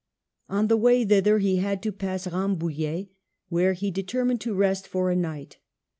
On the way thither he had to pass Rambouil let, where he determined to rest for a night.